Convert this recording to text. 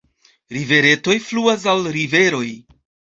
Riveretoj fluas al riveroj.